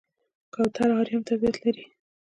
کوتره آرام طبیعت لري.